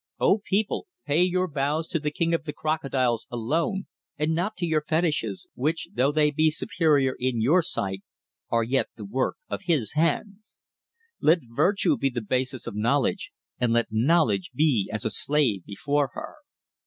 O people! pay your vows to the King of Crocodiles alone, and not to your fetishes, which, though they be superior in your sight, are yet the work of his hands. Let virtue be the basis of knowledge, and let knowledge be as a slave before her."